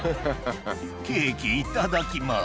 ケーキいただきまーす。